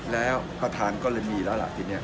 แล้วประธานก็เลยมีแล้วล่ะทีนี้